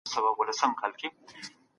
نړیوالي اړیکي ورځ تر بلي پراخیدلې.